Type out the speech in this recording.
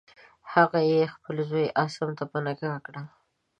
هغه یې خپل زوی عاصم ته په نکاح کړه.